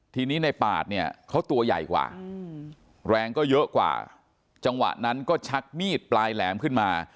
ทีนี้ในปาดเนี่ยเขาตัวใหญ่กว่าแรงก็เยอะกว่าจังหวะนั้นก็ชักมีดปลายแหลมขึ้นมา